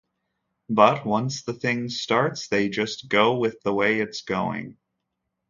But once the thing starts, they just go with the way it's going.